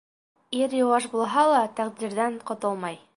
Ир йыуаш булһа ла, тәҡдирҙән ҡотолмай.